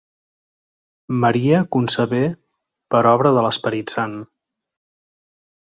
Maria concebé per obra de l'Esperit Sant.